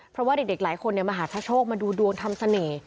เพราะว่าเด็กหลายคนมหาชะโชคมาดูดวงทำเสน่ห์